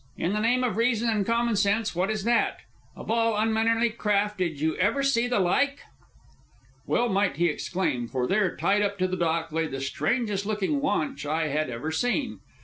"In the name of reason and common sense, what is that? Of all unmannerly craft did you ever see the like?" Well might he exclaim, for there, tied up to the dock, lay the strangest looking launch I had ever seen.